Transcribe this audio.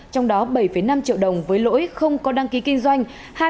trong đó bảy năm triệu đồng với lỗi không có đăng ký kinh doanh